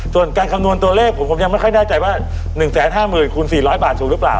ส่วนการคำนวณตัวเลขผมผมยังไม่ค่อยแน่ใจว่า๑๕๐๐๐คูณ๔๐๐บาทถูกหรือเปล่า